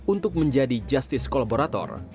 untuk menjadi justice kolaborator